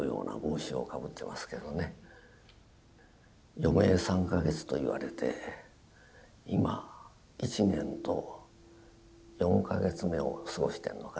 余命３か月と言われて今１年と４か月目を過ごしてるのかな。